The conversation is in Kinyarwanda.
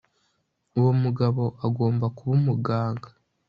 Uwo mugabo agomba kuba umuganga